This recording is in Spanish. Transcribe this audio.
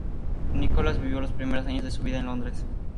Nicolás vivió los primeros años de su vida en Londres.